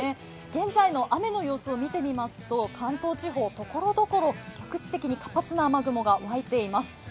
現在の雨の様子を見てみますと、関東地方、ところどころ局地的に活発な雨雲が湧いています。